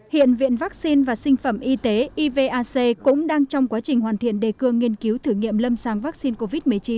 hiện viện vaccine và sinh phẩm y tế ivac cũng đang trong quá trình hoàn thiện đề cương nghiên cứu thử nghiệm lâm sàng vaccine covid một mươi chín